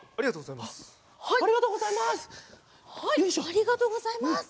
ありがとうございます。